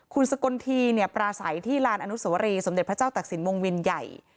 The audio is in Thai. คุณสกลทีปราศัยที่ลานอนุสวรีสมเด็จพระเจ้าตักศิลปวงวินใหญ่